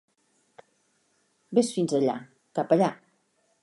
Ves fins allà, cap allà.